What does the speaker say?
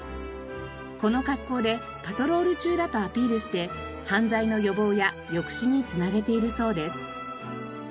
この格好でパトロール中だとアピールして犯罪の予防や抑止につなげているそうです。